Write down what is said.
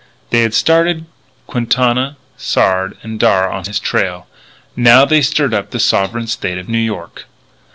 They had started Quintana, Sard, and Darragh on his trail. Now they stirred up the sovereign State of New York.